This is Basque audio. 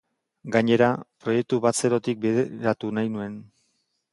Gainera, proiektu bat zerotik bideratu nahi nuen.